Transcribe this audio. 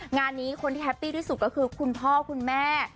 งานนี้คนที่แฮปปี้ที่สุดก็คือคุณพ่อคุณแม่